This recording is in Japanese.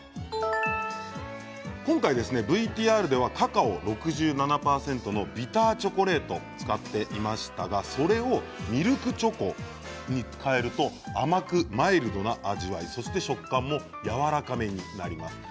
今回ＶＴＲではカカオ６７％のビターチョコレートを使っていましたがそれをミルクチョコに変えると甘くマイルドな味わい、そして食感がやわらかめになります。